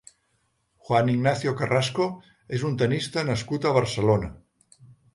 Juan Ignacio Carrasco és un tennista nascut a Barcelona.